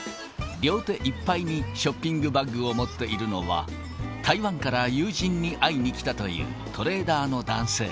両手いっぱいにショッピングバッグを持っているのは、台湾から友人に会いに来たというトレーダーの男性。